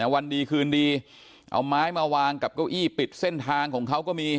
วันดีคืนดีเอาไม้มาวางกับเก้าอี้ปิดเส้นทางของเขาก็มี